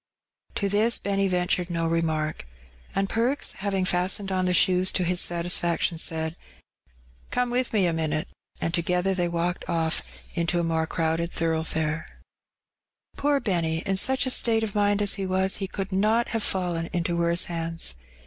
To this Benny ventured no remark. And Perks having fastened on the shoes to his satisfaction, said, "Come with me a minute," and together they walked off into a more crowded thoroughfare. Tempted. 91 Poor Benny! in such a state of mind as he was, he 3ould not have fallen into worse hands.